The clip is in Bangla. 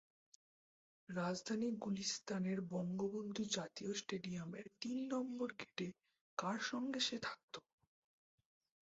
রাজধানী গুলিস্তানের বঙ্গবন্ধু জাতীয় স্টেডিয়ামের তিন নম্বর গেটে কার সঙ্গে সে থাকত?